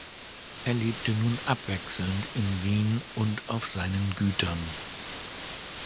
Er lebte nun abwechselnd in Wien und auf seinen Gütern.